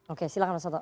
oke silahkan mas soto